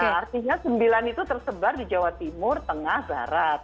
artinya sembilan itu tersebar di jawa timur tengah barat